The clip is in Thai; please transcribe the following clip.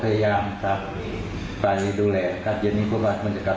ตอนไม่ตายโดยตัวหยี่หวังของพ่อ